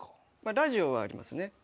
ラジオはありますね。